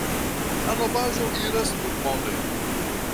La novaĵo iras tutmonde.